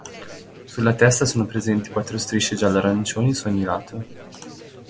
Sulla testa sono presenti quattro strisce giallo-arancioni su ogni lato.